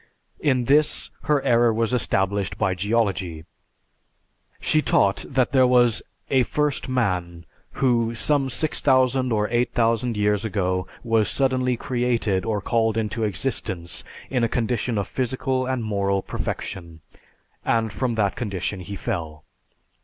In this, her error was established by geology. She taught that there was a first man who, some 6000 or 8000 years ago, was suddenly created or called into existence in a condition of physical and moral perfection, and from that condition he fell.